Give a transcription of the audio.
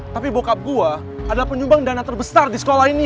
tapi bokap gua adalah penyumbang dana terbesar di sekolah ini